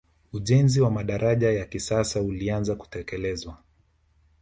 ujenzi wa madaraja ya kisasa ulianza kutekelezwa